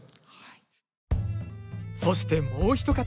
そしてもう一方。